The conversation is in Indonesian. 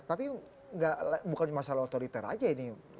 tapi bukan masalah otoriter aja ini